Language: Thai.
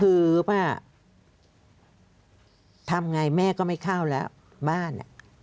คือป้าทำไงแม่ก็ไม่เข้าแล้วบ้าน